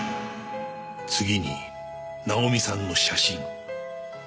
次にナオミさんの写真。